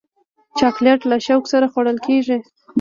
چاکلېټ له شوق سره خوړل کېږي.